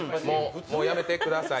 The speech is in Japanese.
もうやめてください。